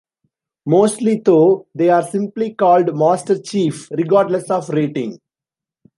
Mostly, though, they are simply called "Master Chief", regardless of rating.